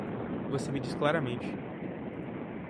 Você me diz claramente